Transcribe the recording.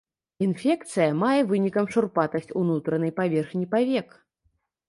Інфекцыя мае вынікам шурпатасць унутранай паверхні павек.